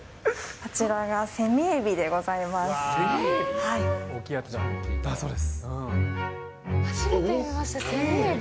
こちらがセミエビでございまセミエビ？